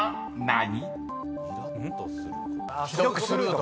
何？